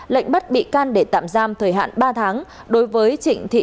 lệnh bắt bị can để tạm giam thời hạn ba tháng đối với trịnh thị